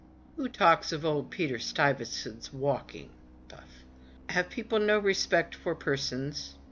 "Who talks of old Peter Stuyvesant's walking? — puff — Have people no respect for persons?